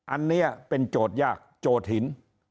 อันเนี่ยเป็นโจทยากโจทหิน